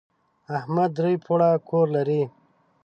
احمد درې پوړه کور لري.